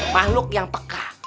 mahluk yang peka